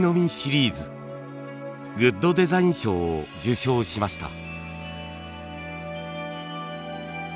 グッドデザイン賞を受賞しました。